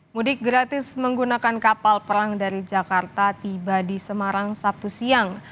mudik gratis menggunakan kapal perang dari jakarta tiba di semarang sabtu siang